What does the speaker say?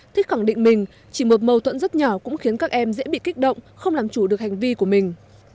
thích khẳng định mình chỉ một mâu thuẫn rất nhỏ cũng khiến các em dễ bị kích động không làm chủ được hành vi của mình